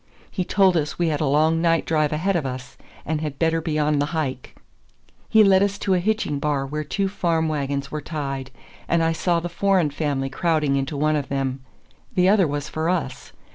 He told us we had a long night drive ahead of us, and had better be on the hike. He led us to a hitching bar where two farm wagons were tied, and I saw the foreign family crowding into one of them. The other was for us.